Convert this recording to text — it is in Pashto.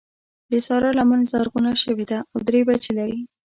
د سارا لمن زرغونه شوې ده او درې بچي لري.